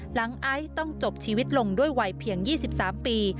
ไอซ์ต้องจบชีวิตลงด้วยวัยเพียง๒๓ปี